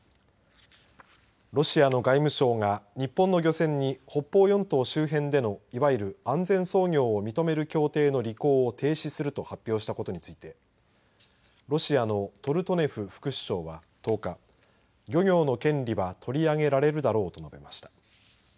ロシアの外務省が日本の漁船に北方四島周辺でのいわゆる安全操業を認める協定の履行を停止すると発表したことについてロシアのトルトネフ副首相は１０日漁業の権利は取り上げられるだろうと述べました。